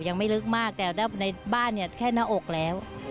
ยังไม่ลึกมากแต่ในบ้านเนี่ยแค่หน้าอกแล้ว